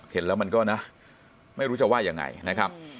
เห็นแล้วมันก็นะไม่รู้จะว่ายังไงนะครับ